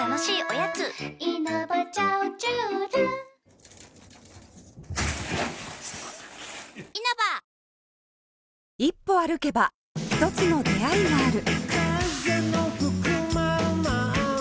ニトリ一歩歩けば一つの出会いがある